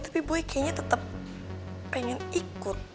tapi boy kayaknya tetap pengen ikut